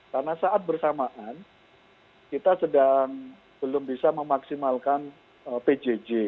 karena saat bersamaan kita sedang belum bisa memaksimalkan pjj